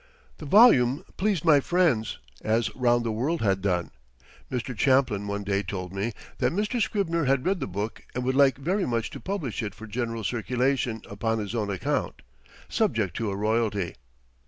The volume pleased my friends, as "Round the World" had done. Mr. Champlin one day told me that Mr. Scribner had read the book and would like very much to publish it for general circulation upon his own account, subject to a royalty.